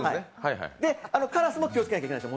カラスも気をつけないといけないんです、